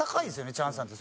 チャンスさんって。